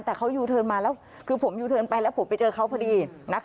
แต่เขายูเทิร์นมาแล้วคือผมยูเทิร์นไปแล้วผมไปเจอเขาพอดี